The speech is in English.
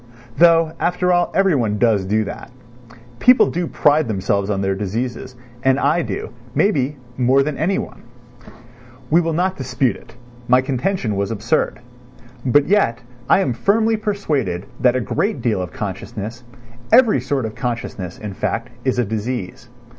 Though, after all, everyone does do that; people do pride themselves on their diseases, and I do, may be, more than anyone. We will not dispute it; my contention was absurd. But yet I am firmly persuaded that a great deal of consciousness, every sort of consciousness, in fact, is a disease.